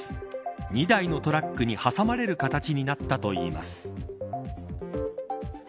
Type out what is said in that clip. ２台のトラックに挟まれる形になったといいます。